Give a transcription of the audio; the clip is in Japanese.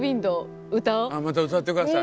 また歌ってください。